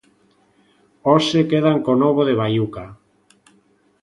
Hoxe quedan co novo de Baiuca.